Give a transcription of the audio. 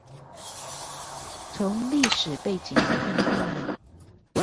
從歷史背景來判斷